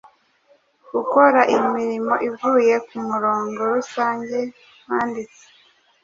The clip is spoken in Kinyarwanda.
Gukora imirimo ivuye kumurongo rusange wanditse